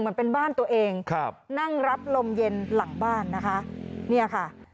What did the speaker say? เหมือนเป็นบ้านตัวเองครับนั่งรับลมเย็นหลังบ้านนะคะเนี่ยค่ะ